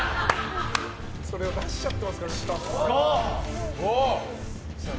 それを出しちゃってますからスタッフが。